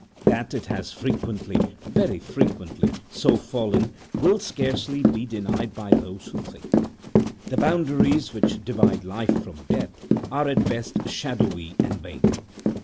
That it has frequently, very frequently, so fallen will scarcely be denied by those who think. The boundaries which divide Life from Death are at best shadowy and vague.